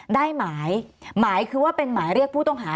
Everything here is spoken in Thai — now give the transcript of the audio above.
ได้หมายหมายคือว่าเป็นหมายเรียกผู้ต้องหา